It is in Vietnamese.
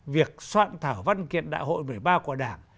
việc soạn thảo văn kiện đại hội một mươi ba của đảng